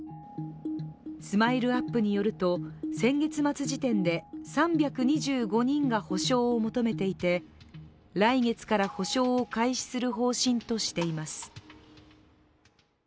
ＳＭＩＬＥ−ＵＰ．によると先月末時点で３２５人が補償を求めていて来月から補償を開始する方針としています。